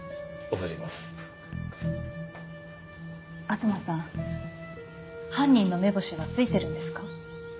東さん犯人の目星はついてるんですか？